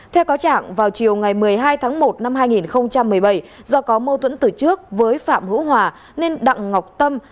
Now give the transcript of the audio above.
theo cáo trạng vào chiều ngày một mươi hai tháng một năm hai nghìn một mươi bảy do có mâu thuẫn từ trước với phạm hữu hòa nên đặng ngọc tâm